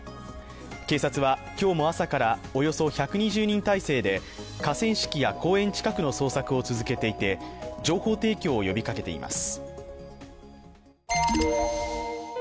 警察は今日も朝からおよそ１２０人態勢で河川敷や公園近くの捜索を続けていて情報提供を呼びかけています。